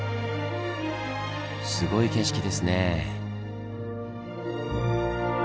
すごい景色ですねぇ。